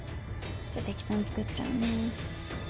じゃあ適当に作っちゃうね。